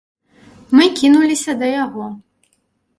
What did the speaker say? Мы кінуліся да яго.